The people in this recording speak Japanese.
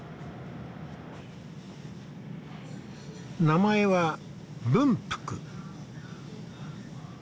名前は文福。